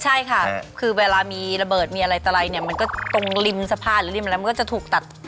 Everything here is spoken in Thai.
ใช่ค่ะคือเวลามีระเบิดมีอะไรตะไรเนี่ยมันก็ตรงริมสะพานหรือริมอะไรมันก็จะถูกตัด